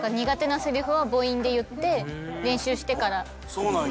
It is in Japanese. そうなんや。